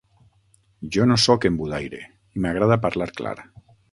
Jo no soc embudaire i m'agrada parlar clar!